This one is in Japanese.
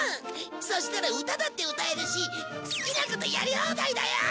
そしたら歌だって歌えるし好きなことやり放題だよ！